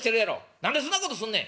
何でそんなことすんねん。